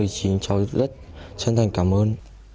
cháu rất chân thành cảm ơn